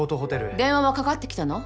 電話はかかってきたの？